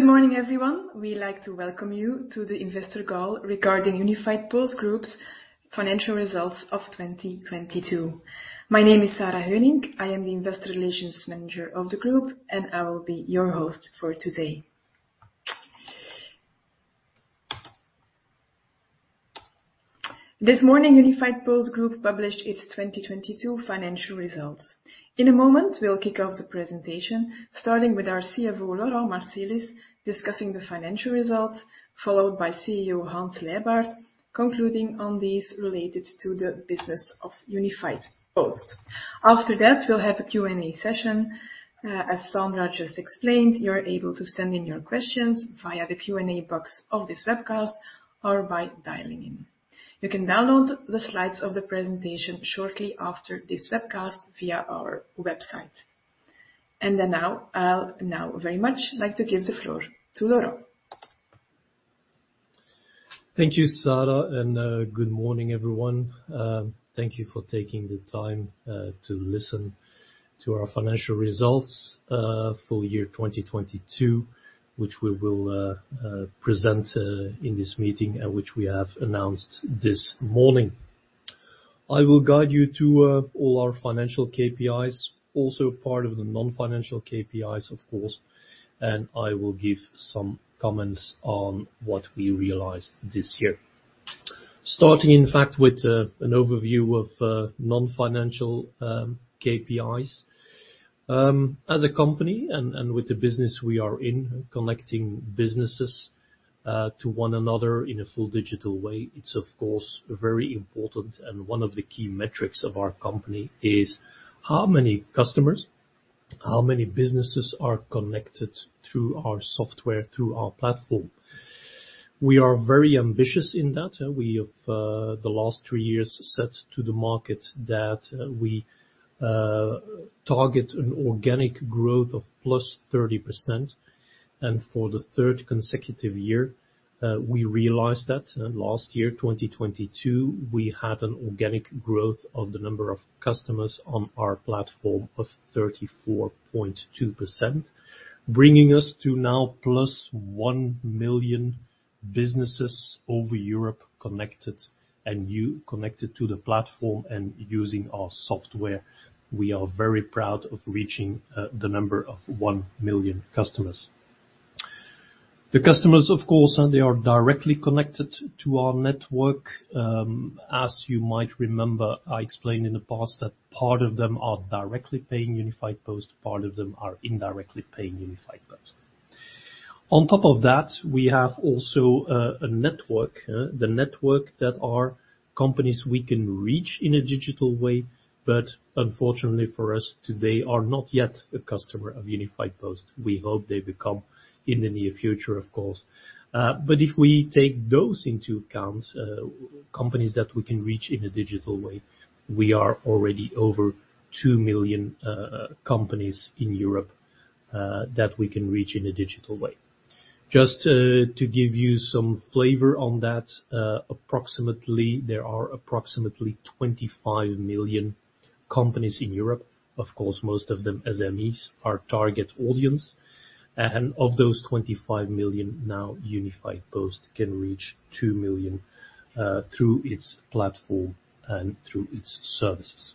Good morning, everyone. We'd like to welcome you to the investor call regarding Unifiedpost Group's financial results of 2022. My name is Sarah Heuninck. I am the Investor Relations Manager of the group, and I will be your host for today. This morning, Unifiedpost Group published its 2022 financial results. In a moment, we'll kick off the presentation, starting with our CFO, Laurent Marcelis, discussing the financial results, followed by CEO Hans Leybaert, concluding on these related to the business of Unifiedpost. After that, we'll have a Q&A session. As Sandra just explained, you're able to send in your questions via the Q&A box of this webcast or by dialing in. You can download the slides of the presentation shortly after this webcast via our website. Now, I'll now very much like to give the floor to Laurent. Thank you, Sarah. Good morning, everyone. Thank you for taking the time to listen to our financial results for year 2022, which we will present in this meeting and which we have announced this morning. I will guide you to all our financial KPIs, also part of the non-financial KPIs, of course. I will give some comments on what we realized this year. Starting in fact, with an overview of non-financial KPIs. As a company and with the business we are in, connecting businesses to one another in a full digital way, it's of course very important and one of the key metrics of our company is how many customers, how many businesses are connected through our software, through our platform. We are very ambitious in that. We have the last three years said to the market that we target an organic growth of +30%. For the third consecutive year, we realized that. Last year, 2022, we had an organic growth of the number of customers on our platform of 34.2%, bringing us to now +1 million businesses over Europe connected, and new connected to the platform and using our software. We are very proud of reaching the number of 1 million customers. The customers, of course, they are directly connected to our network. As you might remember, I explained in the past that part of them are directly paying Unifiedpost, part of them are indirectly paying Unifiedpost. On top of that, we have also a network. The network that are companies we can reach in a digital way, but unfortunately for us today are not yet a customer of Unifiedpost. We hope they become in the near future, of course. If we take those into account, companies that we can reach in a digital way, we are already over 2 million companies in Europe that we can reach in a digital way. Just to give you some flavor on that, approximately there are approximately 25 million companies in Europe. Of course, most of them SMEs, our target audience. Of those 25 million, now Unifiedpost can reach 2 million through its platform and through its services.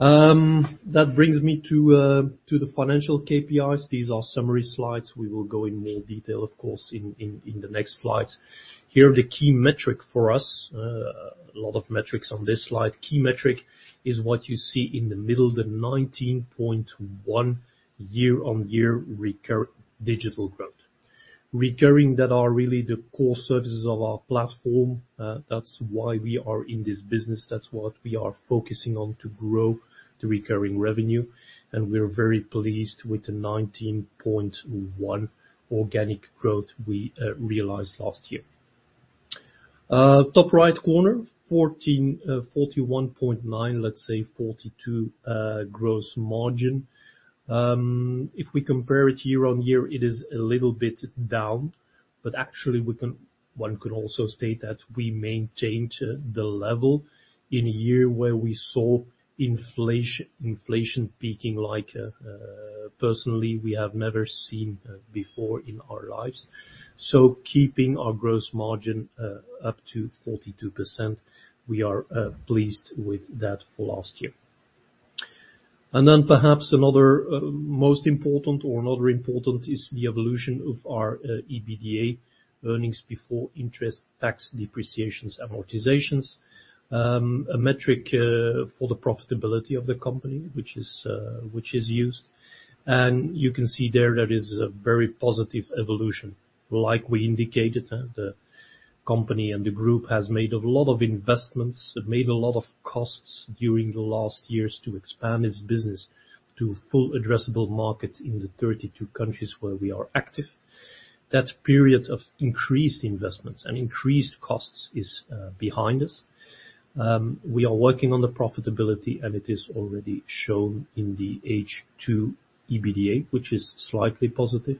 That brings me to the financial KPIs. These are summary slides. We will go in more detail, of course in the next slides. Here, the key metric for us. A lot of metrics on this slide. Key metric is what you see in the middle, the 19.1 year-over-year recur digital growth. Recurring that are really the core services of our platform, that's why we are in this business. That's what we are focusing on to grow the recurring revenue, and we are very pleased with the 19.1 organic growth we realized last year. Top right corner, 41.9, let's say 42, gross margin. If we compare it year-over-year, it is a little bit down, but actually, one could also state that we maintained the level in a year where we saw inflation peaking like, personally, we have never seen before in our lives. Keeping our gross margin up to 42%, we are pleased with that for last year. Perhaps another most important or another important is the evolution of our EBITDA, earnings before interest, tax, depreciations, amortizations. A metric for the profitability of the company, which is which is used. You can see there is a very positive evolution. Like we indicated, the company and the group has made a lot of investments. It made a lot of costs during the last years to expand its business to full addressable market in the 32 countries where we are active. That period of increased investments and increased costs is behind us. We are working on the profitability, and it is already shown in the H2 EBITDA, which is slightly positive.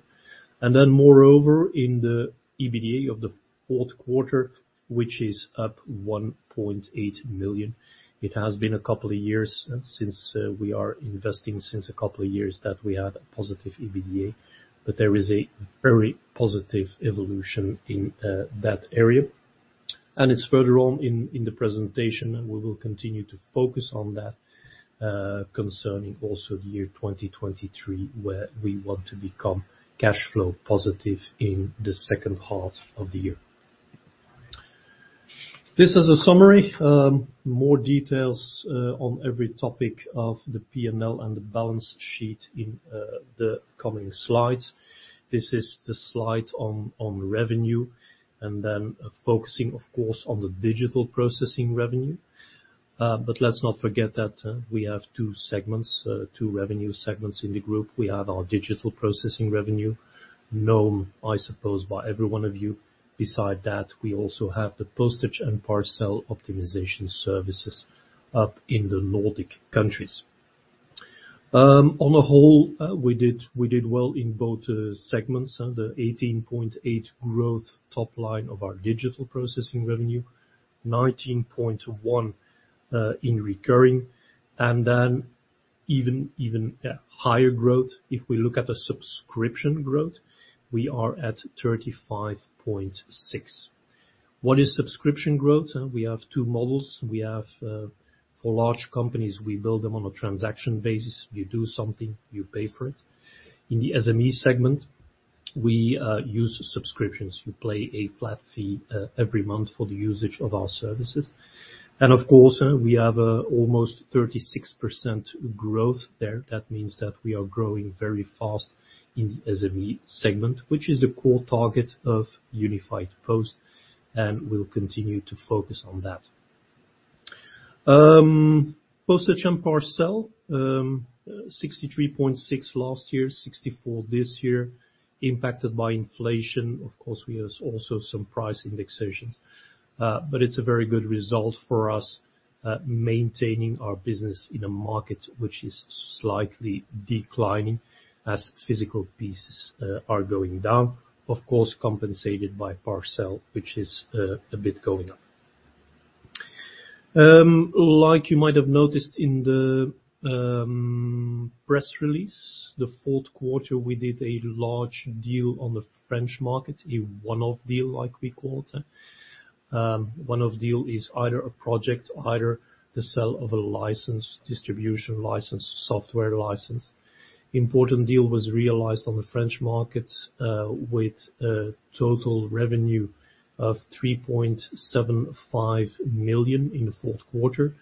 Moreover, in the EBITDA of the fourth quarter, which is up 1.8 million. It has been a couple of years since we are investing since a couple of years that we had a positive EBITDA, but there is a very positive evolution in that area. It's further on in the presentation, and we will continue to focus on that concerning also the year 2023, where we want to become cash flow positive in the second half of the year. This is a summary. More details on every topic of the P&L and the balance sheet in the coming slides. This is the slide on revenue, focusing, of course, on the digital processing revenue. Let's not forget that we have two segments, two revenue segments in the group. We have our digital processing revenue known, I suppose, by every one of you. Beside that, we also have the postage and parcel optimization services up in the Nordic countries. On a whole, we did well in both segments, the 18.8% growth top line of our digital processing revenue, 19.1% in recurring, and then even higher growth. If we look at the subscription growth, we are at 35.6%. What is subscription growth? We have two models. We have for large companies, we build them on a transaction basis. You do something, you pay for it. In the SME segment, we use subscriptions. You play a flat fee every month for the usage of our services. Of course, we have almost 36% growth there. That means that we are growing very fast in the SME segment, which is a core target of Unifiedpost, and we'll continue to focus on that. Postage and parcel, 63.6 last year, 64 this year, impacted by inflation. Of course, we have also some price indexations, but it's a very good result for us, maintaining our business in a market which is slightly declining as physical pieces are going down, of course, compensated by parcel, which is a bit going up. Like you might have noticed in the press release, the fourth quarter, we did a large deal on the French market, a one-off deal, like we called it. One-off deal is either a project, either the sale of a license, distribution license, software license. Important deal was realized on the French market, with a total revenue of 3.75 million in the fourth quarter.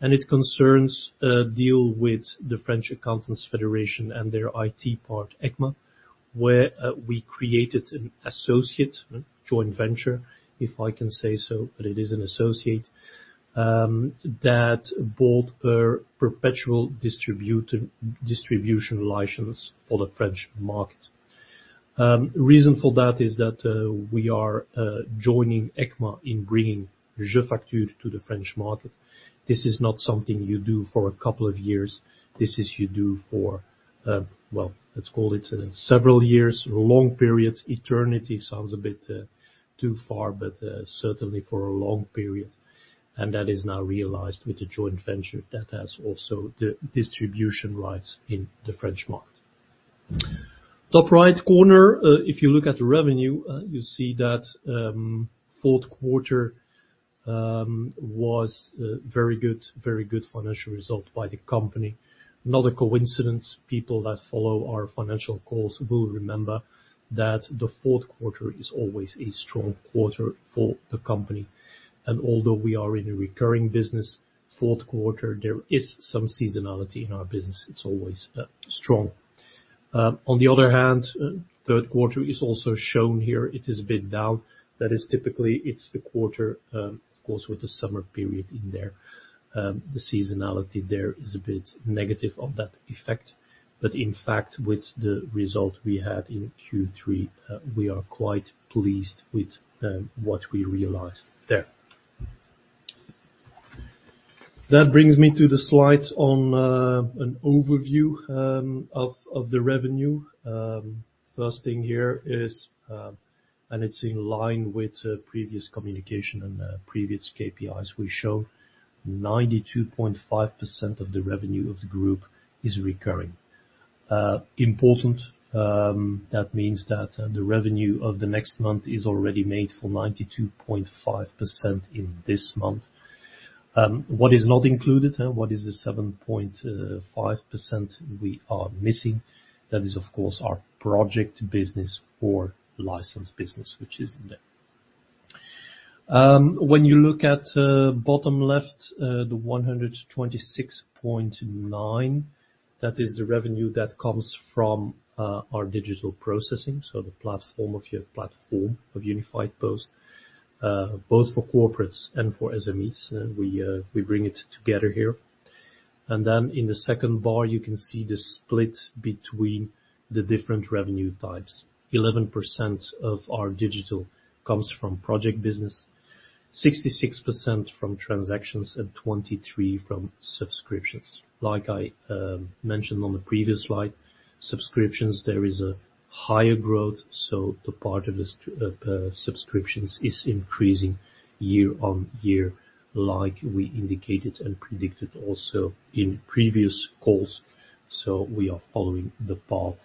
It concerns a deal with the French Accountants Federation and their IT part, ECMA, where we created an associate joint venture, if I can say so, but it is an associate that bought a perpetual distribution license for the French market. Reason for that is that we are joining ECMA in bringing jefacture.com to the French market. This is not something you do for a couple of years. This is you do for, well, let's call it several years, long periods. Eternity sounds a bit too far, but certainly for a long period. That is now realized with the joint venture that has also the distribution rights in the French market. Top right corner, if you look at the revenue, you see that fourth quarter was a very good financial result by the company. Not a coincidence, people that follow our financial calls will remember that the fourth quarter is always a strong quarter for the company. Although we are in a recurring business, fourth quarter, there is some seasonality in our business. It's always strong. On the other hand, third quarter is also shown here. It is a bit down. That is typically, it's the quarter, of course, with the summer period in there. The seasonality there is a bit negative of that effect. In fact, with the result we had in Q3, we are quite pleased with what we realized there. That brings me to the slides on an overview of the revenue. First thing here is, it's in line with previous communication and previous KPIs we show, 92.5% of the revenue of the group is recurring. Important, that means that the revenue of the next month is already made for 92.5% in this month. What is not included? What is the 7.5% we are missing? That is, of course, our project business or license business, which is there. When you look at bottom left, the 126.9, that is the revenue that comes from our digital processing, so the platform of your platform of Unifiedpost, both for corporates and for SMEs. We bring it together here. In the second bar, you can see the split between the different revenue types. 11% of our digital comes from project business. 66% from transactions and 23% from subscriptions. Like I mentioned on the previous slide, subscriptions, there is a higher growth, so the part of the subscriptions is increasing year-on-year, like we indicated and predicted also in previous calls. We are following the path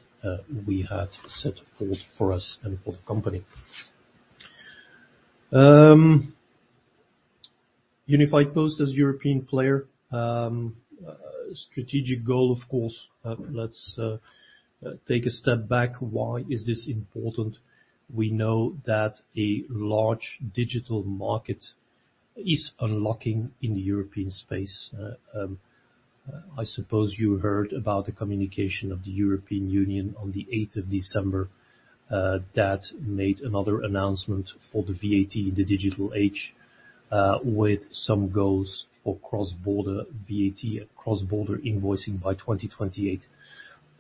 we had set forth for us and for the company. Unifiedpost as European player, strategic goal, of course. Let's take a step back. Why is this important? We know that a large digital market is unlocking in the European space. I suppose you heard about the communication of the European Union on the 8th of December that made another announcement for the VAT in the Digital Age with some goals for cross-border VAT, cross-border invoicing by 2028.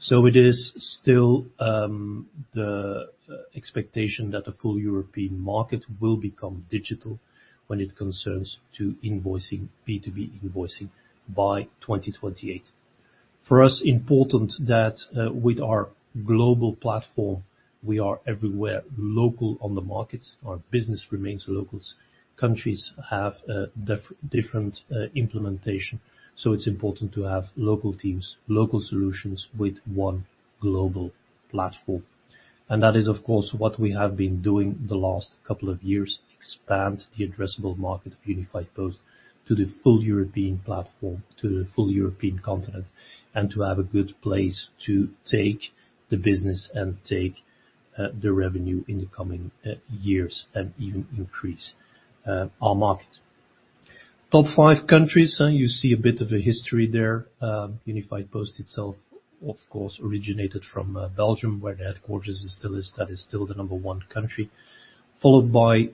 It is still the expectation that the full European market will become digital when it concerns to invoicing, B2B invoicing by 2028. For us, important that with our global platform, we are everywhere, local on the markets. Our business remains local. Countries have different implementation, so it's important to have local teams, local solutions with one global platform. That is, of course, what we have been doing the last couple of years, expand the addressable market of Unifiedpost to the full European platform, to the full European continent, and to have a good place to take the business and take the revenue in the coming years and even increase our market. Top five countries, you see a bit of a history there. Unifiedpost itself, of course, originated from Belgium, where the headquarters still is. That is still the number one country, followed by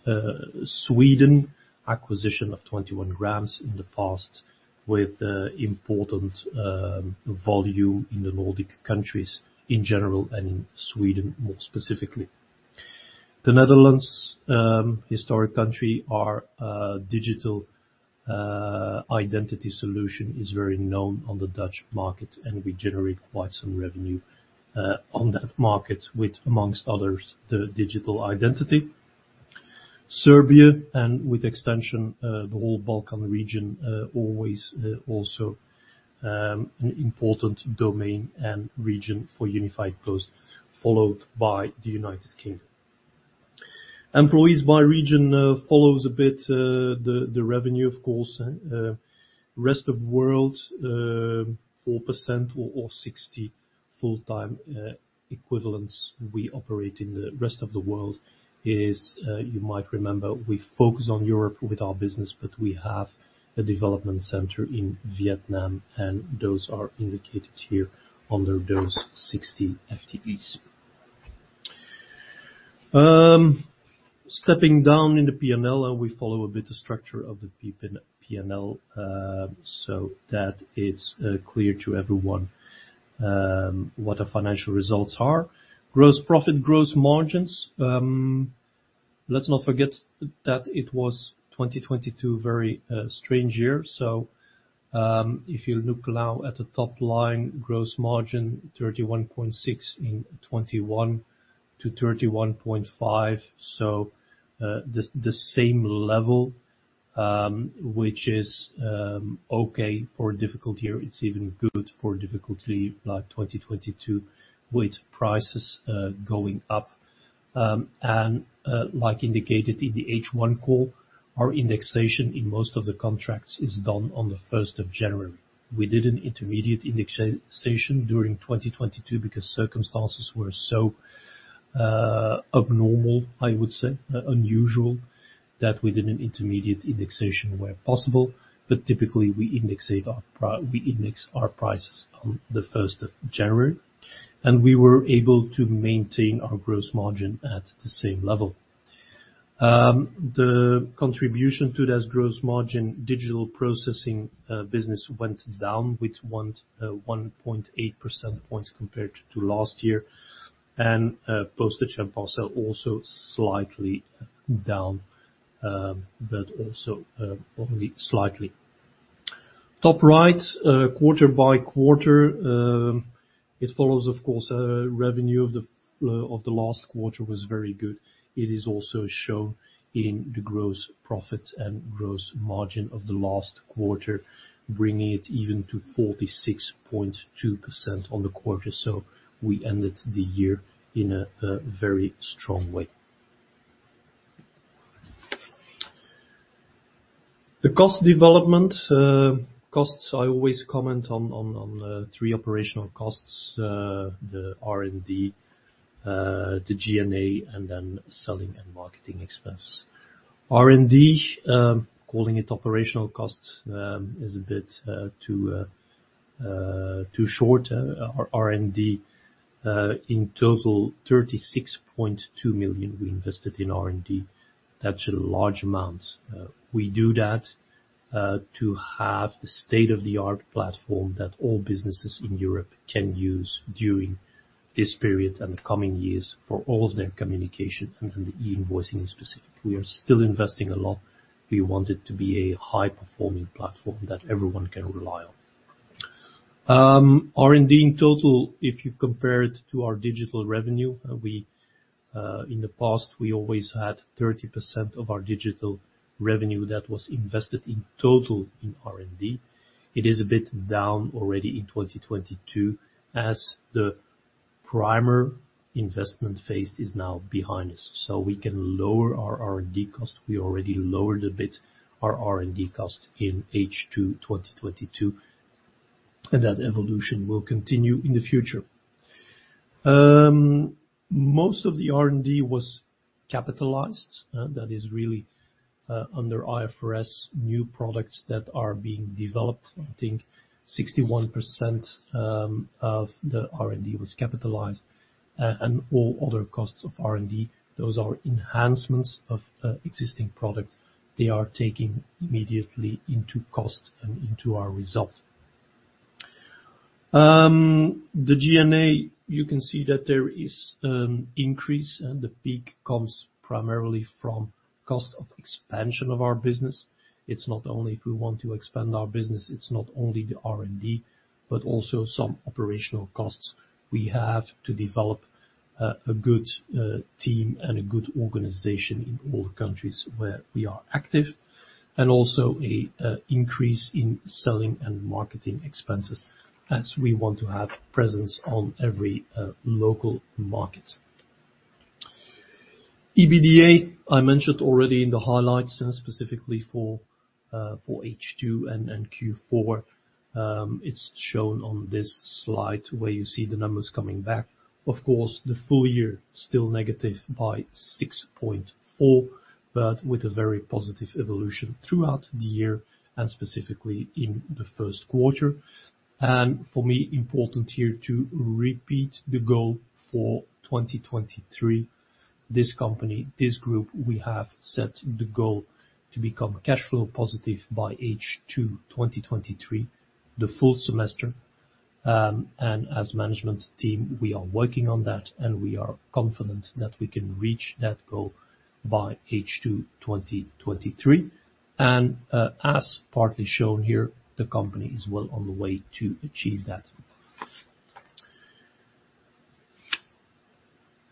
Sweden. Acquisition of 21grams in the past with important volume in the Nordic countries in general and in Sweden, more specifically. The Netherlands, historic country. Our digital identity solution is very known on the Dutch market, and we generate quite some revenue on that market, with, amongst others, the digital identity. Serbia, with extension, the whole Balkan region, always also an important domain and region for Unifiedpost, followed by the United Kingdom. Employees by region, follows a bit the revenue, of course. Rest of world, 4% or 60 full-time equivalents we operate in the rest of the world is, you might remember, we focus on Europe with our business, but we have a development center in Vietnam, and those are indicated here under those 60 FTEs. Stepping down in the P&L, we follow a bit the structure of the P&L, so that it's clear to everyone, what our financial results are. Gross profit, gross margins. Let's not forget that it was 2022, very strange year. If you look now at the top line, gross margin, 31.6% in 2021 to 31.5%. The same level, which is okay for a difficult year. It's even good for a difficulty like 2022 with prices going up. Like indicated in the H1 call, our indexation in most of the contracts is done on the 1st of January. We did an intermediate indexation during 2022 because circumstances were so abnormal, I would say, unusual, that we did an intermediate indexation where possible. Typically, we index our prices on the 1st of January, and we were able to maintain our gross margin at the same level. The contribution to this gross margin digital processing business went down with 1.8 percentage points compared to last year. Postage and parcel also slightly down, but also only slightly. Top right, quarter by quarter, it follows, of course, revenue of the last quarter was very good. It is also shown in the gross profit and gross margin of the last quarter, bringing it even to 46.2% on the quarter. We ended the year in a very strong way. The cost development. Costs, I always comment on three operational costs, the R&D, the G&A, and then selling and marketing expense. R&D, calling it operational costs, is a bit too short. R&D, in total, 36.2 million we invested in R&D. That's a large amount. We do that to have the state-of-the-art platform that all businesses in Europe can use during this period and the coming years for all of their communication and the e-invoicing specific. We are still investing a lot. We want it to be a high-performing platform that everyone can rely on. R&D in total, if you compare it to our digital revenue, we in the past, we always had 30% of our digital revenue that was invested in total in R&D. It is a bit down already in 2022 as the primer investment phase is now behind us. We can lower our R&D cost. We already lowered a bit our R&D cost in H2 2022. That evolution will continue in the future. Most of the R&D was capitalized. That is really, under IFRS, new products that are being developed. I think 61% of the R&D was capitalized. All other costs of R&D, those are enhancements of existing products. They are taking immediately into cost and into our result. The G&A, you can see that there is an increase. The peak comes primarily from cost of expansion of our business. It's not only if we want to expand our business, it's not only the R&D, but also some operational costs we have to develop a good team and a good organization in all the countries where we are active, and also a increase in selling and marketing expenses as we want to have presence on every local market. EBITDA, I mentioned already in the highlights, specifically for H2 and Q4, it's shown on this slide where you see the numbers coming back. Of course, the full year still negative by 6.4, but with a very positive evolution throughout the year and specifically in the first quarter. For me, important here to repeat the goal for 2023. This company, this group, we have set the goal to become cash flow positive by H2 2023, the full semester. As management team, we are working on that, and we are confident that we can reach that goal by H2 2023. As partly shown here, the company is well on the way to achieve that.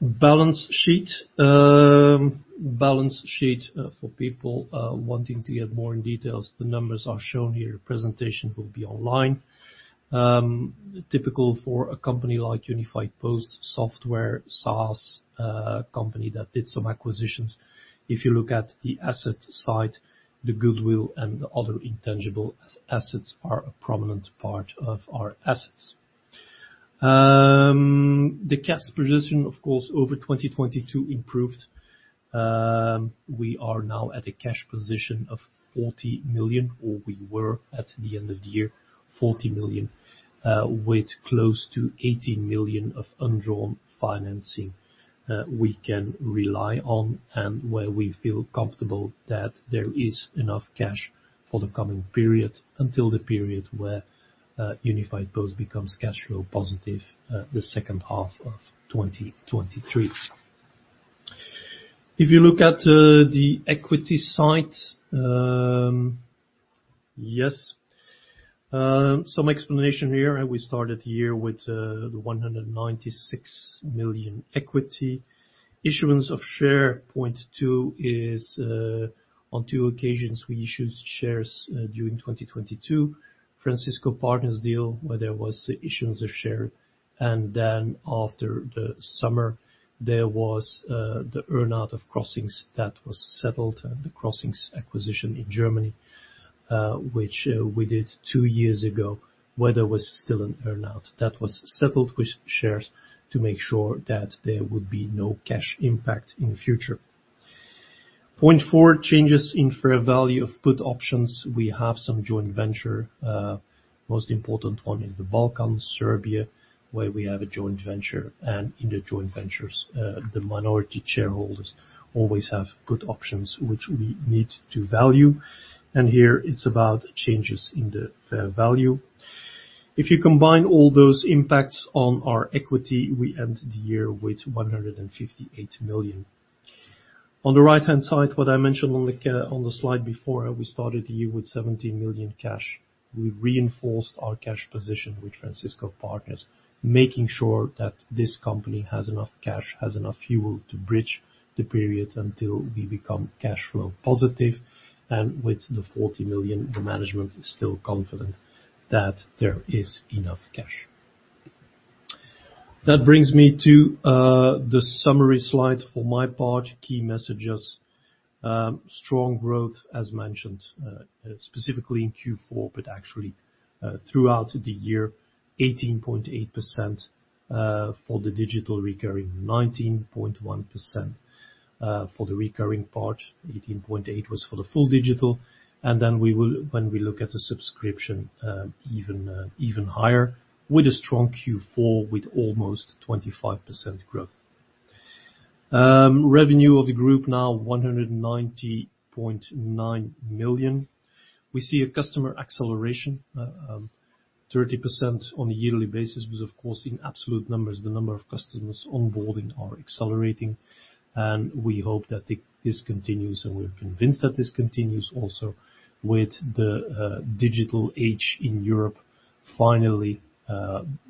Balance sheet. Balance sheet, for people wanting to get more in details, the numbers are shown here. Presentation will be online. Typical for a company like Unifiedpost, software, SaaS, company that did some acquisitions. If you look at the asset side, the goodwill and the other intangible assets are a prominent part of our assets. The cash position, of course, over 2022 improved. We are now at a cash position of 40 million, or we were at the end of the year, 40 million, with close to 80 million of undrawn financing, we can rely on and where we feel comfortable that there is enough cash for the coming period until the period where Unifiedpost becomes cash flow positive, the second half of 2023. If you look at the equity side, yes. Some explanation here. We started the year with the 196 million equity. Issuance of share point two is, on two occasions, we issued shares during 2022. Francisco Partners deal, where there was issuance of share. After the summer, there was the earn out of Crossinx that was settled, and the Crossinx acquisition in Germany, which we did two years ago, where there was still an earn out. That was settled with shares to make sure that there would be no cash impact in the future. Point four, changes in fair value of put options. We have some joint venture, most important one is the Balkans, Serbia, where we have a joint venture, and in the joint ventures, the minority shareholders always have put options which we need to value. Here it's about changes in the fair value. If you combine all those impacts on our equity, we end the year with 158 million. On the right-hand side, what I mentioned on the slide before, we started the year with 17 million cash. We reinforced our cash position with Francisco Partners, making sure that this company has enough cash, has enough fuel to bridge the period until we become cash flow positive. With the 40 million, the management is still confident that there is enough cash. That brings me to the summary slide for my part. Key messages, strong growth, as mentioned, specifically in Q4, but actually, throughout the year, 18.8% for the digital recurring, 19.1% for the recurring part. 18.8 was for the full digital. When we look at the subscription, even higher with a strong Q4 with almost 25% growth. Revenue of the group now 190.9 million. We see a customer acceleration, 30% on a yearly basis, which of course, in absolute numbers, the number of customers onboarding are accelerating. We hope that this continues, and we're convinced that this continues also with the digital age in Europe, finally,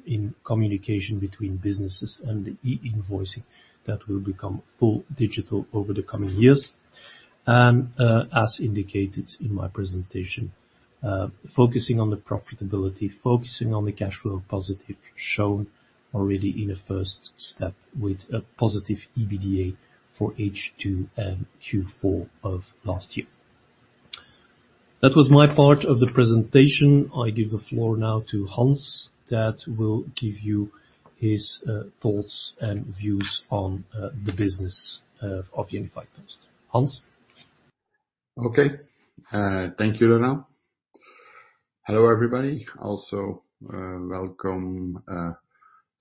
in communication between businesses and the e-invoicing that will become full digital over the coming years. As indicated in my presentation, focusing on the profitability, focusing on the cash flow positive shown already in a first step with a positive EBITDA for H2 and Q4 of last year. That was my part of the presentation. I give the floor now to Hans, that will give you his thoughts and views on the business of Unifiedpost. Hans. Okay. Thank you, Laurent. Hello, everybody. Also, welcome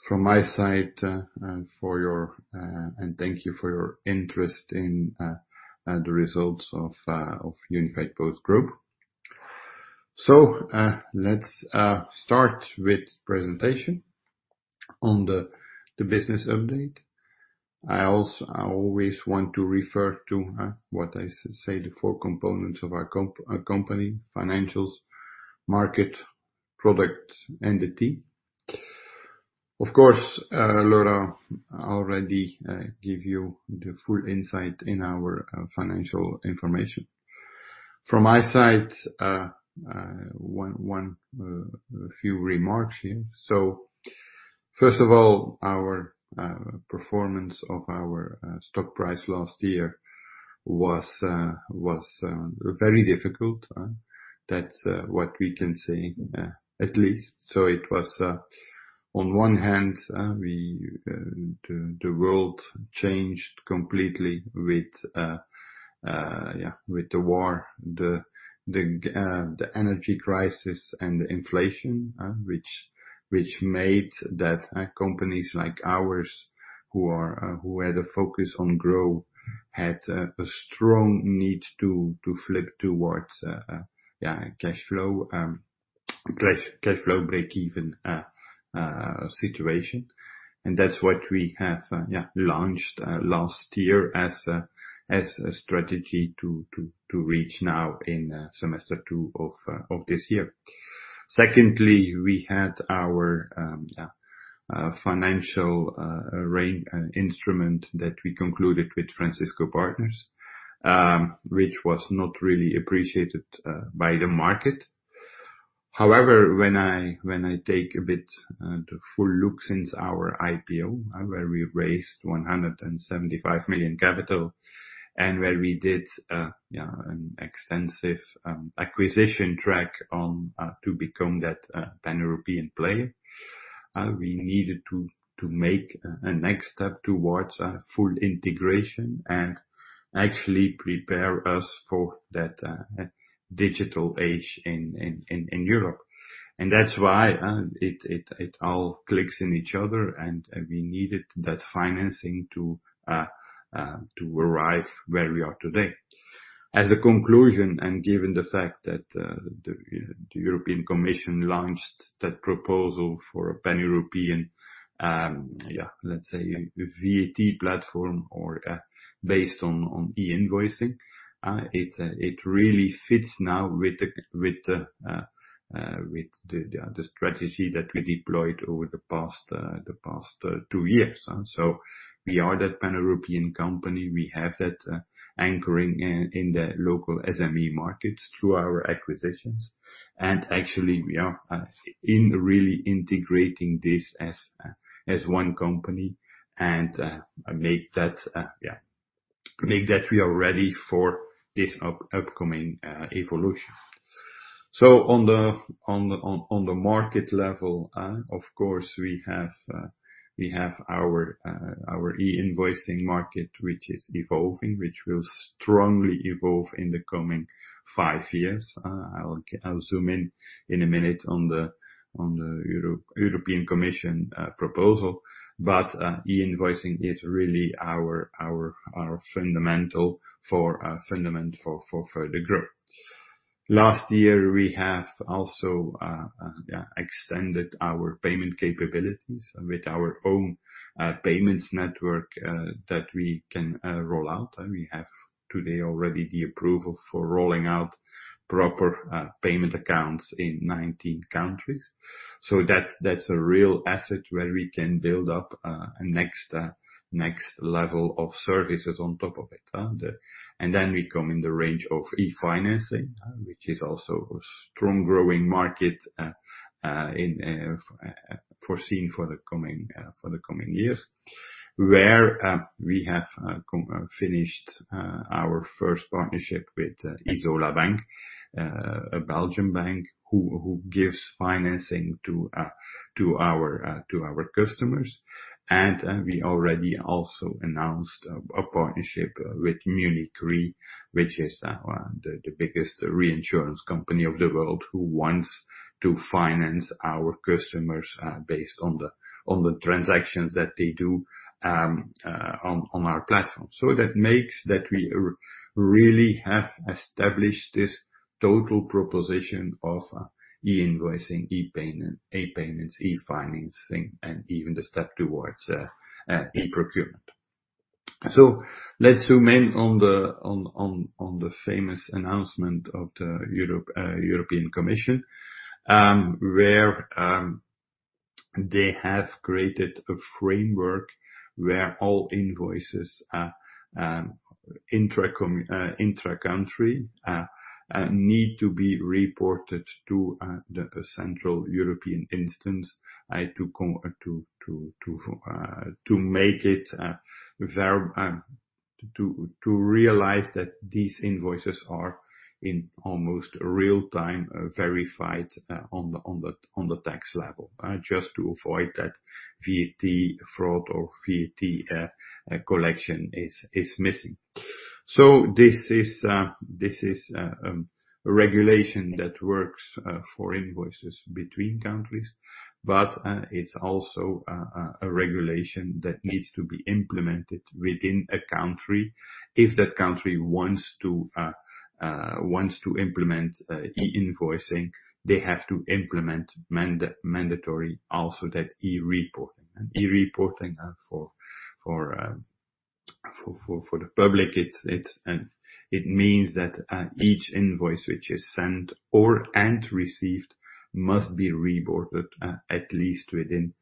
from my side, and thank you for your interest in the results of Unifiedpost Group. Let's start with presentation on the business update. I always want to refer to what I say, the four components of our company: financials, market, product, and the team. Of course, Laurent already give you the full insight in our financial information. From my side, one few remarks here. First of all, our performance of our stock price last year was very difficult, that's what we can say at least. It was on one hand, the world changed completely with the war. The energy crisis and the inflation, which made that companies like ours who had a focus on growth, had a strong need to flip towards cashflow breakeven situation. That's what we have launched last year as a strategy to reach now in semester 2 of this year. Secondly, we had our financial instrument that we concluded with Francisco Partners, which was not really appreciated by the market. However, when I take a bit, the full look since our IPO, where we raised 175 million capital, and where we did, yeah, an extensive acquisition track on to become that Pan-European player, we needed to make a next step towards full integration and actually prepare us for that digital age in Europe. That's why it all clicks in each other and we needed that financing to arrive where we are today. As a conclusion, given the fact that the European Commission launched that proposal for a Pan-European, yeah, let's say VAT platform or, based on e-invoicing, it really fits now with the strategy that we deployed over the past two years. We are that Pan-European company. We have that anchoring in the local SME markets through our acquisitions. Actually we are in really integrating this as one company and make that we are ready for this upcoming evolution. On the market level, of course, we have our e-invoicing market, which is evolving, which will strongly evolve in the coming five years. I will zoom in in a minute on the European Commission proposal, but e-invoicing is really our fundamental for further growth. Last year, we have also extended our payment capabilities with our own payments network that we can roll out. We have today already the approval for rolling out proper payment accounts in 19 countries. That's a real asset where we can build up a next level of services on top of it. Then we come in the range of e-financing, which is also a strong growing market foreseen for the coming years. Where we have finished our first partnership with Izola Bank, a Belgian bank who gives financing to our customers. We already also announced a partnership with Munich Re, which is the biggest reinsurance company of the world who wants to finance our customers based on the transactions that they do on our platform. That makes that we really have established this total proposition of e-invoicing, e-payments, e-financing, and even the step towards e-procurement. Let's zoom in on the famous announcement of the European Commission, where they have created a framework where all invoices intra-country need to be reported to the central European instance to make it to realize that these invoices are in almost real-time verified on the tax level. Just to avoid that VAT fraud or VAT collection is missing. This is a regulation that works for invoices between countries. It's also a regulation that needs to be implemented within a country. If that country wants to implement e-invoicing, they have to implement mandatory also that e-reporting. E-reporting for the public, it means that each invoice which is sent or received must be reported at least within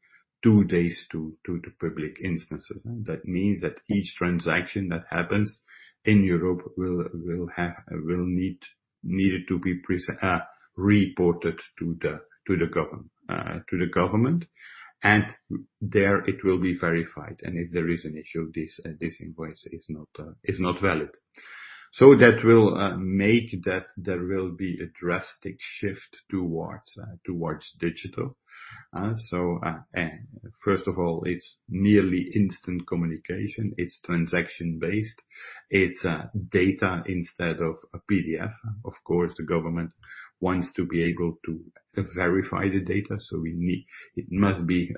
two days to the public instances. It means that each transaction that happens in Europe will need to be reported to the government. There it will be verified. If there is an issue, this invoice is not valid. That will make that there will be a drastic shift towards digital. First of all, it's nearly instant communication. It's transaction based. It's data instead of a PDF. Of course, the government wants to be able to verify the data, so it must be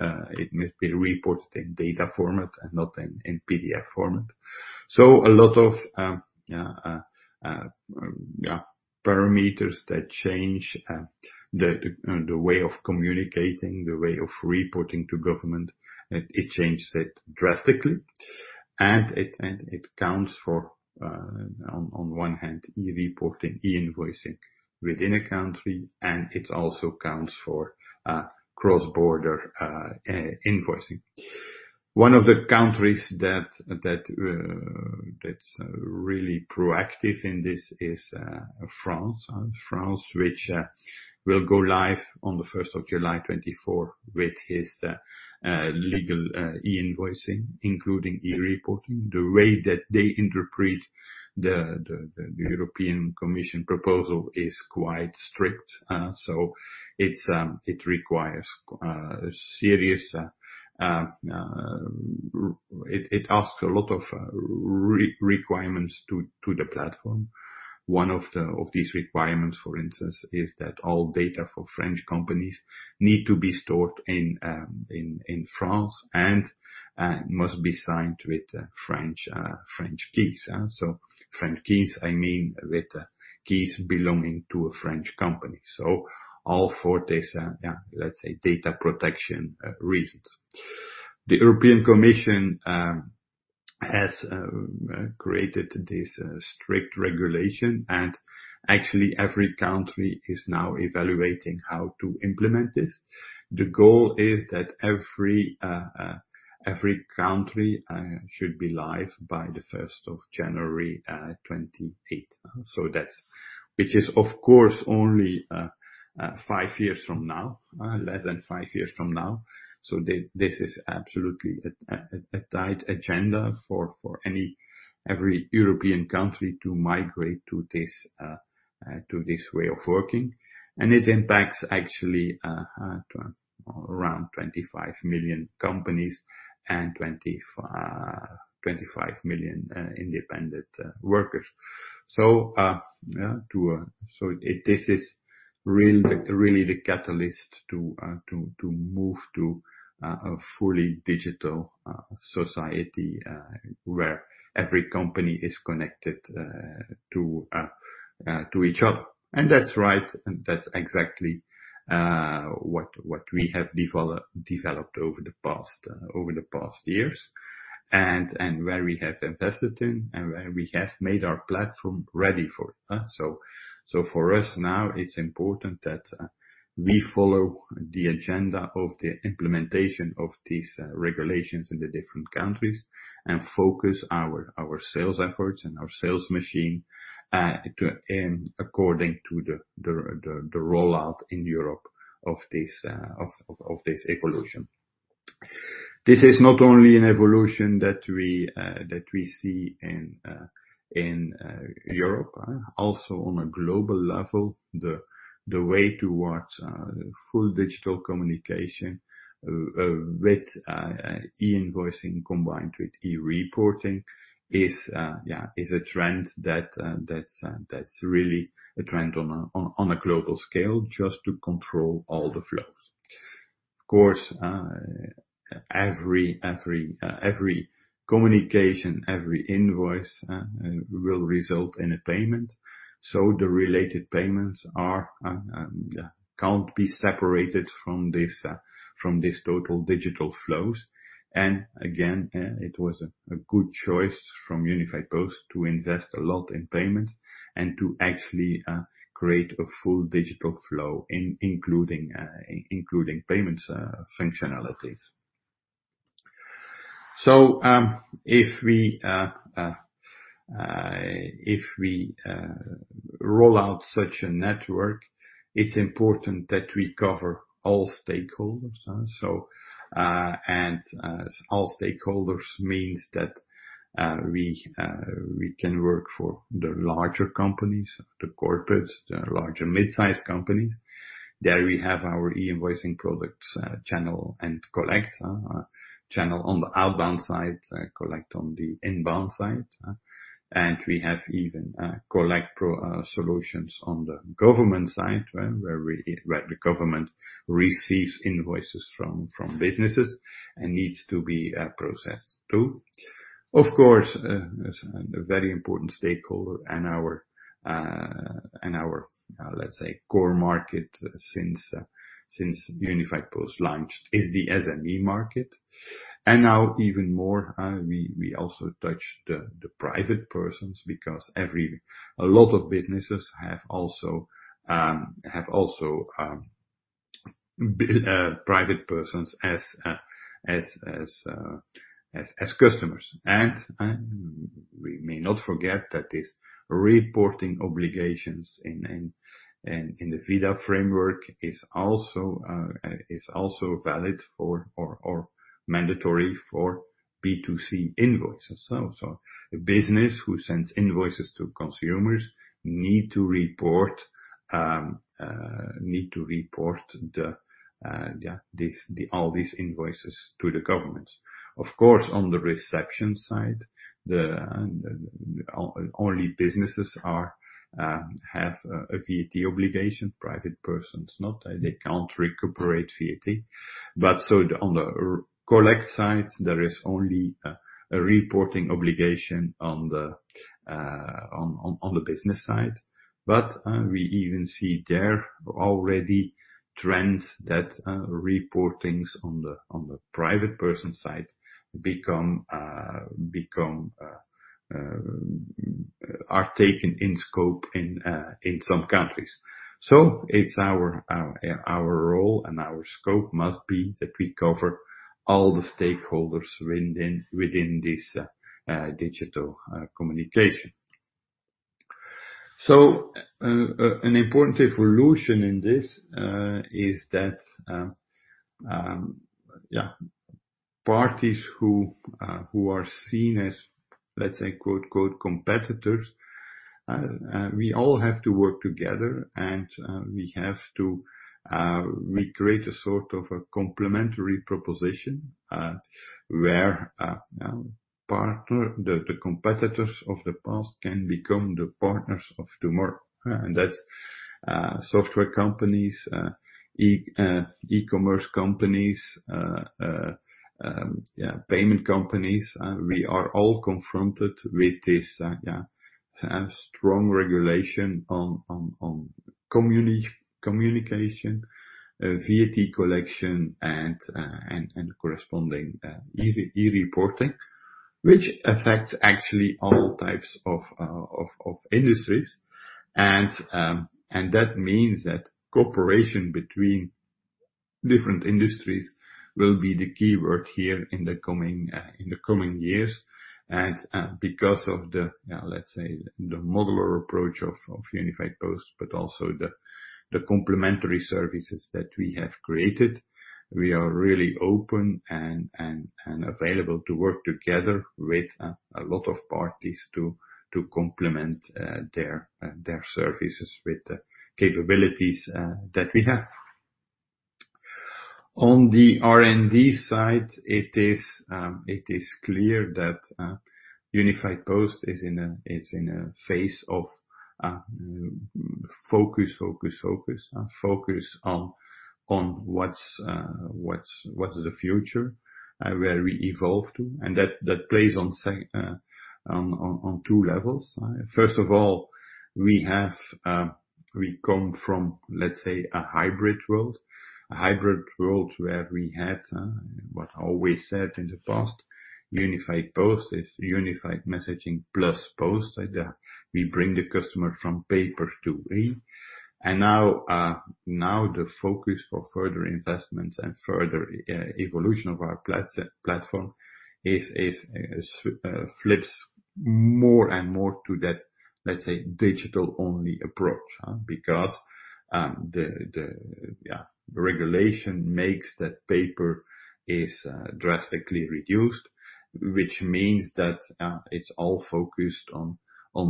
reported in data format and not in PDF format. A lot of, yeah, parameters that change the way of communicating, the way of reporting to government. It changes it drastically. It counts for, on one hand, e-reporting, e-invoicing within a country, and it also counts for cross-border invoicing. One of the countries that's really proactive in this is France. France, which will go live on the first of July 2024 with its legal e-invoicing, including e-reporting. The way that they interpret the European Commission proposal is quite strict. So it requires serious. It asks a lot of requirements to the platform. One of these requirements, for instance, is that all data for French companies need to be stored in France and must be signed with French keys, huh? French keys, I mean with keys belonging to a French company. All for this, yeah, let's say data protection reasons. The European Commission has created this strict regulation, actually every country is now evaluating how to implement this. The goal is that every country should be live by the first of January 2028. Which is of course only five years from now, less than five years from now. This is absolutely a tight agenda for any, every European country to migrate to this way of working. It impacts actually around 25 million companies and 25 million independent workers. Yeah, to. This is really the catalyst to move to a fully digital society where every company is connected to each other. That's right. That's exactly what we have developed over the past years, and where we have invested in, and where we have made our platform ready for. For us now it's important that we follow the agenda of the implementation of these regulations in the different countries and focus our sales efforts and our sales machine according to the rollout in Europe of this evolution. This is not only an evolution that we see in Europe also on a global level, the way towards full digital communication with e-invoicing combined with e-reporting, yeah, is a trend that's really a trend on a global scale just to control all the flows. Of course, every communication, every invoice will result in a payment. The related payments are, yeah, can't be separated from this from this total digital flows. Again, it was a good choice from Unifiedpost to invest a lot in payments and to actually create a full digital flow including payments functionalities. If we roll out such a network, it's important that we cover all stakeholders. All stakeholders means that we can work for the larger companies, the corporates, the larger mid-sized companies. There we have our e-invoicing products, Channel and Collect. Channel on the outbound side, Collect on the inbound side. We have even Collect Pro solutions on the government side, where the government receives invoices from businesses and needs to be processed too. Of course, a very important stakeholder and our, let's say, core market since Unifiedpost launched is the SME market. Now even more, we also touch the private persons because a lot of businesses have also private persons as customers. We may not forget that these reporting obligations in the ViDA framework is also valid for or mandatory for B2C invoices. A business who sends invoices to consumers need to report the all these invoices to the government. Of course, on the reception side, the only businesses are, have a VAT obligation. Private persons not. They can't recuperate VAT. On the Collect side, there is only a reporting obligation on the business side. We even see there already trends that, reportings on the, on the private person side become, are taken in scope in some countries. It's our role and our scope must be that we cover all the stakeholders within this digital communication. An important evolution in this is that parties who are seen as, let's say, quote, "competitors," we all have to work together and we have to create a sort of a complementary proposition where the competitors of the past can become the partners of tomorrow. That's software companies, e-commerce companies, payment companies. We are all confronted with this strong regulation on communication, VAT collection, and corresponding e-reporting, which affects actually all types of industries. That means that cooperation between different industries will be the keyword here in the coming years. Because of the, let's say, the modular approach of Unifiedpost, but also the complementary services that we have created, we are really open and available to work together with a lot of parties to complement their services with the capabilities that we have. On the R&D side, it is clear that Unifiedpost is in a phase of focus, focus. Focus on what's, what is the future, where we evolve to. That plays on two levels. First of all, we have, we come from, let's say, a hybrid world. A hybrid world where we had, what I always said in the past, Unifiedpost is unified messaging plus post. Yeah, we bring the customer from paper to re. Now the focus for further investments and further evolution of our platform is, flips more and more to that, let's say, digital-only approach, because, the, yeah, regulation makes that paper is drastically reduced, which means that it's all focused on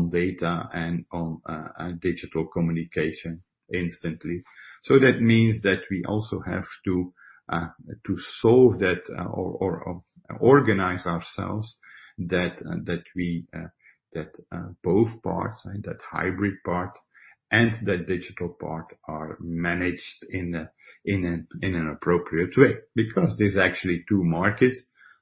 data and on digital communication instantly. That means that we also have to solve that or organize ourselves that we that both parts, that hybrid part and the digital part are managed in an appropriate way. There's actually two markets.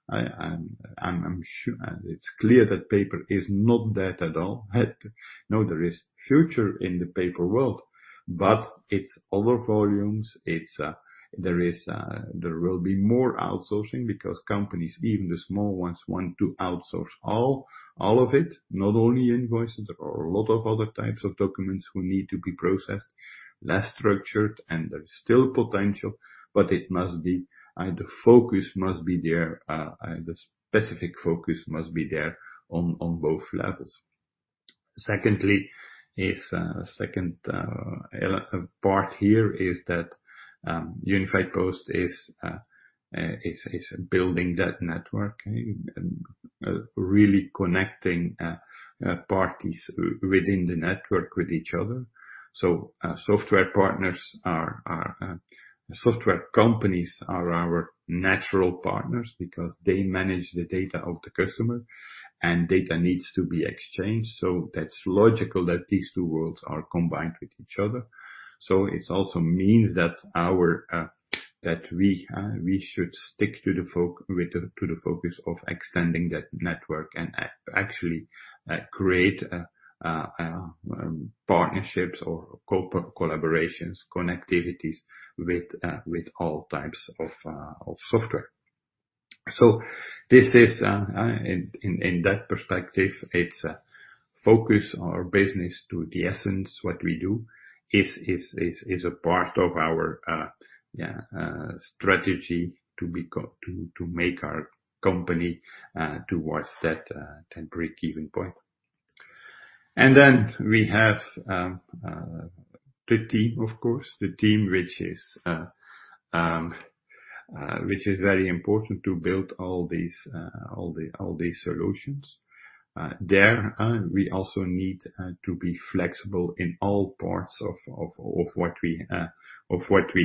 I'm sure it's clear that paper is not dead at all. There is future in the paper world, but it's other volumes. It's, there is, there will be more outsourcing because companies, even the small ones, want to outsource all of it, not only invoices. There are a lot of other types of documents who need to be processed, less structured. There's still potential, but it must be, the focus must be there. The specific focus must be there on both levels. Secondly is, second part here is that Unifiedpost is building that network and really connecting parties within the network with each other. Software partners are software companies are our natural partners because they manage the data of the customer, and data needs to be exchanged. That's logical that these two worlds are combined with each other. It's also means that our, that we should stick to the focus of extending that network and actually, create partnerships or collaborations, connectivities with all types of software. This is, in that perspective, it's focus our business to the essence what we do is a part of our, yeah, strategy to make our company towards that breakeven point. Then we have the team, of course. The team which is very important to build all these solutions. There, we also need to be flexible in all parts of what we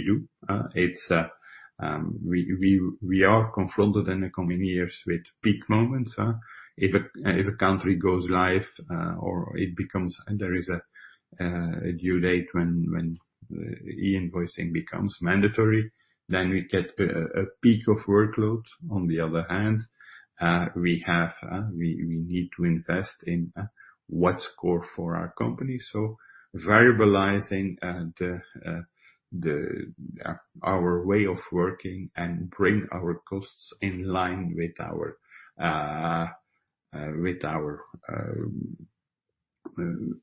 do. It's, we are confronted in the coming years with peak moments, if a country goes live, or it becomes. There is a due date when e-invoicing becomes mandatory, then we get a peak of workload. On the other hand, we have, we need to invest in what's core for our company. Variabilizing the our way of working and bring our costs in line with our,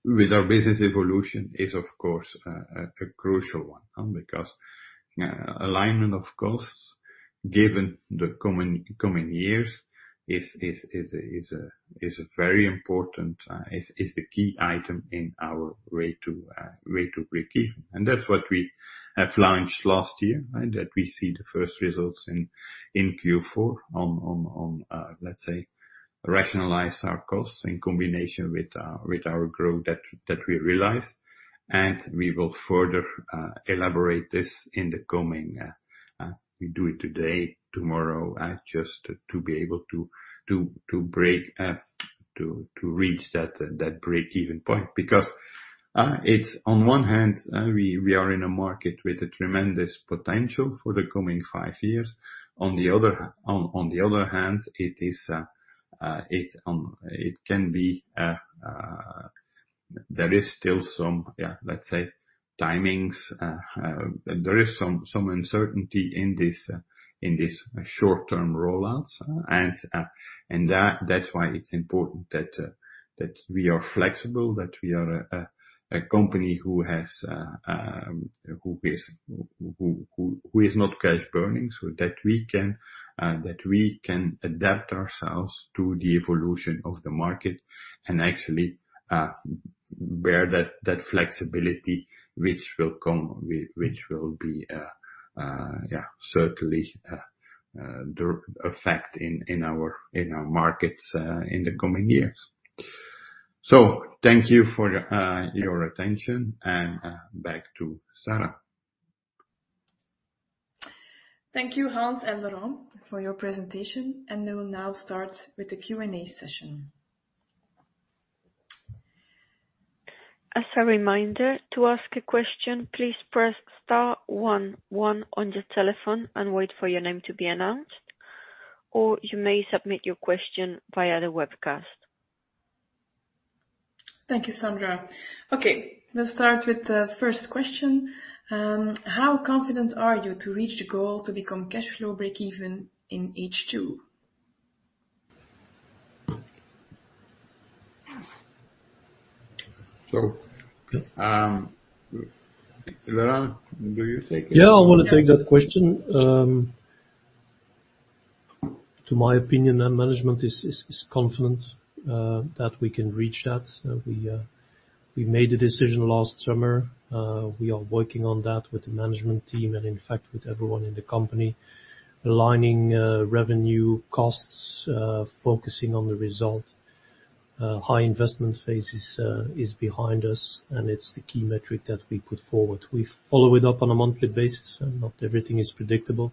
with our business evolution is, of course, a crucial one, because alignment of costs given the coming years is very important, is the key item in our way to breakeven. That's what we have launched last year, and that we see the first results in Q4 on, let's say, rationalize our costs in combination with our growth that we realized. We will further elaborate this in the coming, we do it today, tomorrow, just to be able to break, to reach that breakeven point. Because it's on one hand, we are in a market with a tremendous potential for the coming five years. On the other hand, it is, it can be. There is still some, let's say timings. There is some uncertainty in this short-term roll-outs. That's why it's important that we are flexible, that we are a company who has who is not cash burning, so that we can adapt ourselves to the evolution of the market and actually bear that flexibility which will come with which will be yeah, certainly, the effect in our markets in the coming years. Thank you for your attention and back to Sarah. Thank you, Hans and Laurent for your presentation. We will now start with the Q&A session. As a reminder, to ask a question, please press star one one on your telephone and wait for your name to be announced. You may submit your question via the webcast. Thank you, Sandra. Okay, let's start with the first question. How confident are you to reach the goal to become cash flow breakeven in H2? Laurent, do you take it? Yeah, I wanna take that question. To my opinion, the management is confident that we can reach that. We made a decision last summer. We are working on that with the management team and in fact with everyone in the company, aligning revenue costs, focusing on the result. High investment phases is behind us, and it's the key metric that we put forward. We follow it up on a monthly basis, and not everything is predictable.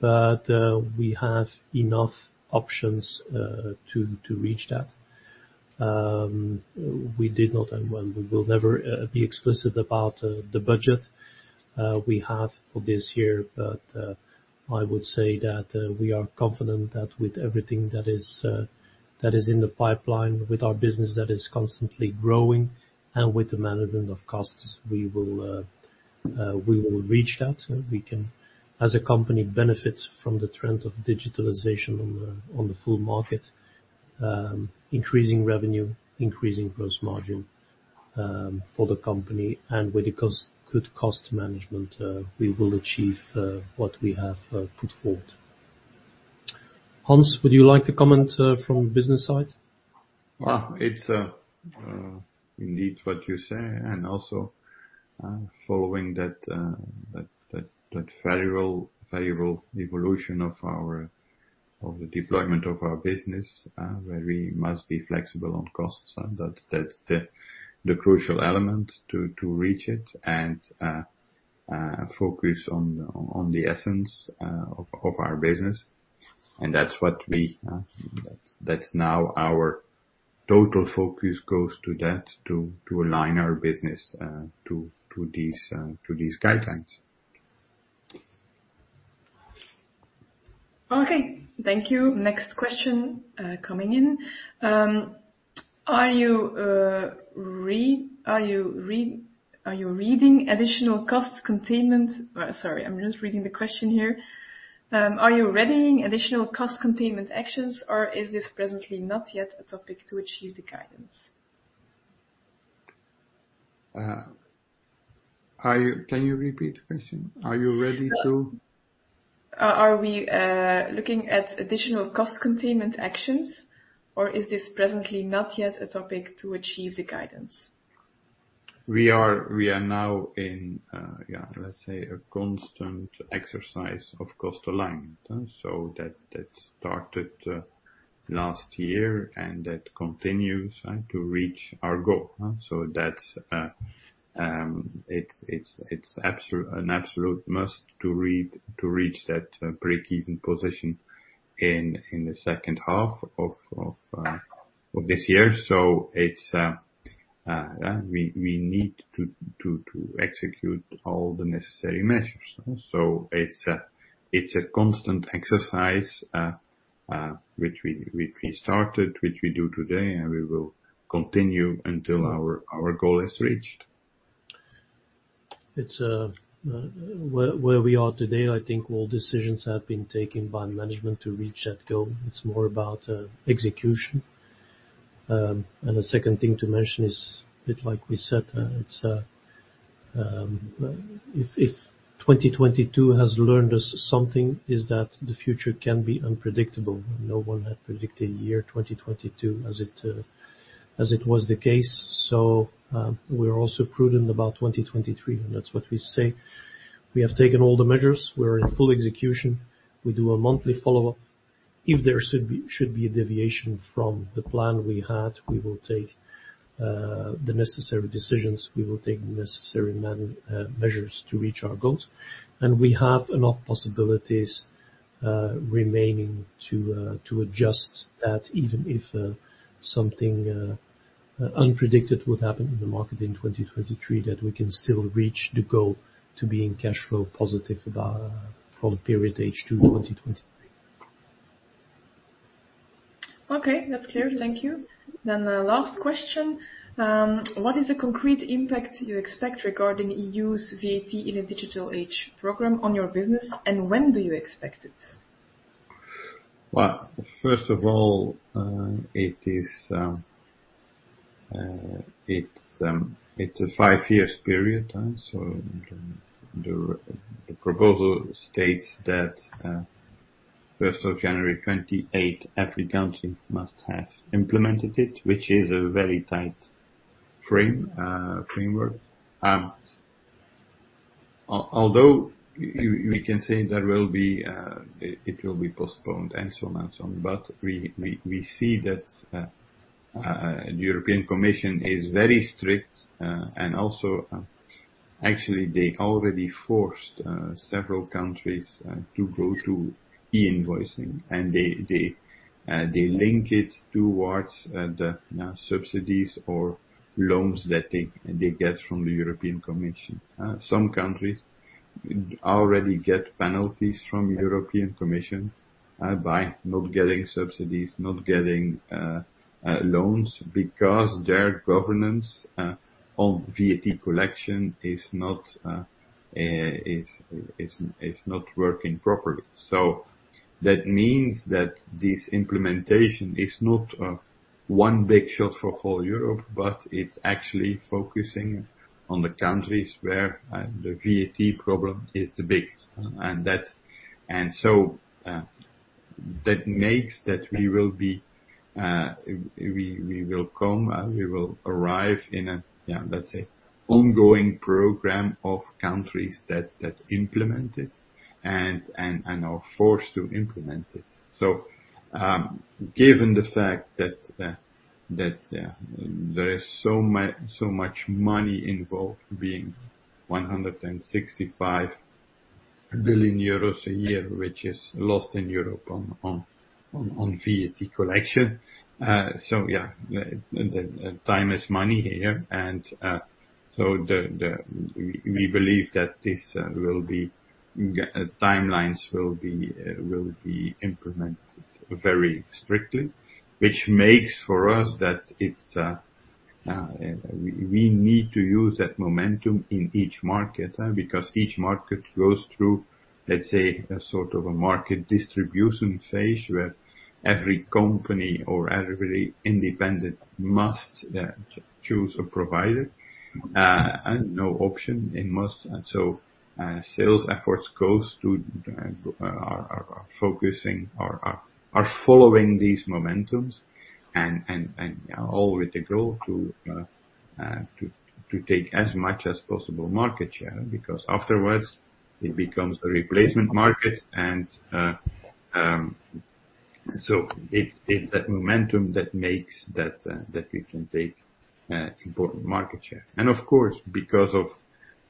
We have enough options to reach that. We did not, and well, we will never be explicit about the budget we have for this year. I would say that we are confident that with everything that is in the pipeline with our business that is constantly growing and with the management of costs, we will reach that. We can, as a company, benefit from the trend of digitalization on the, on the full market, increasing revenue, increasing gross margin for the company. With good cost management, we will achieve what we have put forward. Hans, would you like to comment from the business side? Well, it's indeed what you say. Also, following that variable evolution of the deployment of our business, where we must be flexible on costs, that's the crucial element to reach it and focus on the essence of our business. That's now our total focus goes to that, to align our business to these guidelines. Okay. Thank you. Next question, coming in. Are you reading additional cost containment? Sorry, I'm just reading the question here. Are you readying additional cost containment actions, or is this presently not yet a topic to achieve the guidance? Can you repeat the question? Are you ready? Are we looking at additional cost containment actions, or is this presently not yet a topic to achieve the guidance? We are now in, yeah, let's say a constant exercise of cost alignment. That started last year, and that continues to reach our goal, so that's, it's an absolute must to reach that breakeven position in the second half of this year. It's, yeah, we need to execute all the necessary measures. It's a constant exercise, which we started, which we do today, and we will continue until our goal is reached. It's where we are today, I think all decisions have been taken by management to reach that goal. It's more about execution. The second thing to mention is a bit like we said, if 2022 has learned us something, is that the future can be unpredictable. No one had predicted year 2022 as it, as it was the case. We're also prudent about 2023, and that's what we say. We have taken all the measures. We're in full execution. We do a monthly follow-up. If there should be a deviation from the plan we had, we will take the necessary decisions. We will take the necessary measures to reach our goals. We have enough possibilities remaining to adjust that even if something unpredicted would happen in the market in 2023, that we can still reach the goal to being cash flow positive for the period H2 2023. Okay. That's clear. Thank you. Last question. What is the concrete impact you expect regarding EU's VAT in the Digital Age program on your business, and when do you expect it? Well, first of all, it is, it's a five years period. The proposal states that 1st of January 2028, every country must have implemented it, which is a very tight framework. Although we can say there will be, it will be postponed and so on and so on. We see that European Commission is very strict and also, actually, they already forced several countries to go to e-invoicing. They link it towards the subsidies or loans that they get from the European Commission. Some countries already get penalties from European Commission by not getting subsidies, not getting loans because their governance on VAT collection is not working properly. That means that this implementation is not one big shot for whole Europe, but it's actually focusing on the countries where the VAT problem is the biggest. That makes that we will be, we will come, we will arrive in a, let's say, ongoing program of countries that implement it and are forced to implement it. Given the fact that there is so much money involved, being 165 billion euros a year, which is lost in Europe on VAT collection. Yeah, the time is money here and so we believe that this will be timelines will be implemented very strictly, which makes for us that it's we need to use that momentum in each market because each market goes through, let's say, a sort of a market distribution phase where every company or every independent must choose a provider and no option in most. Sales efforts goes to are focusing or are following these momentums and all with the goal to take as much as possible market share, because afterwards it becomes a replacement market and so it's that momentum that makes that we can take important market share. Of course, because of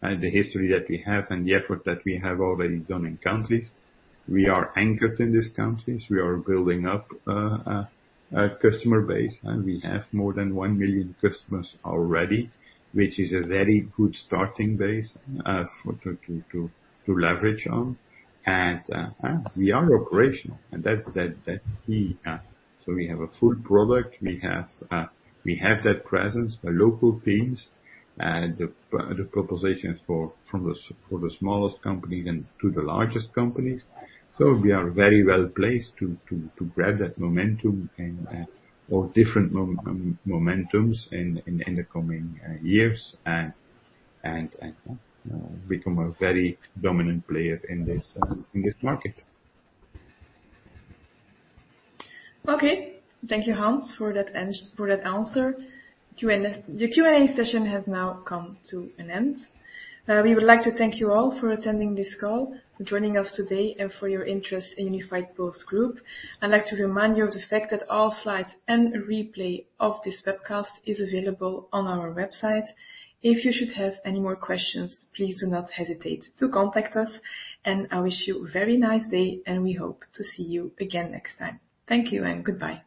the history that we have and the effort that we have already done in countries, we are anchored in these countries. We are building up a customer base, we have more than 1 million customers already, which is a very good starting base for to leverage on. We are operational and that's key. We have a full product. We have that presence, the local teams, the propositions for the smallest companies and to the largest companies. We are very well placed to grab that momentum and or different momentums in the coming years and become a very dominant player in this market. Okay. Thank you, Hans, for that answer. The Q&A session has now come to an end. We would like to thank you all for attending this call, for joining us today, and for your interest in Unifiedpost Group. I'd like to remind you of the fact that all slides and a replay of this webcast is available on our website. If you should have any more questions, please do not hesitate to contact us, and I wish you a very nice day, and we hope to see you again next time. Thank you and goodbye.